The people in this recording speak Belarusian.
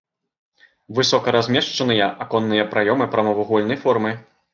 Высока размешчаныя аконныя праёмы прамавугольнай формы.